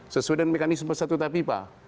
sesuai dengan mekanisme satu tapis pak